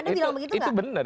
anda bilang begitu gak